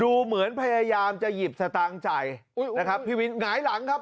ดูเหมือนพยายามจะหยิบสตางค์ใจนะครับพี่วินหงายหลังครับ